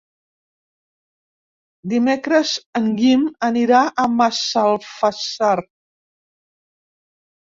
Dimecres en Guim anirà a Massalfassar.